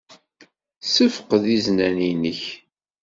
Ssefqed iznan-nnek.